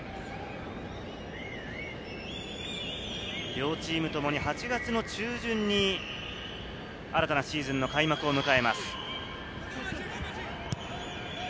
両チームともに８月の中旬に新たなシーズンが開幕を迎えます。